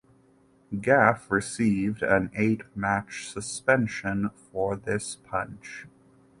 Gaff received an eight match suspension for this punch.